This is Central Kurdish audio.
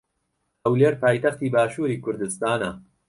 ھەولێر پایتەختی باشووری کوردستانە.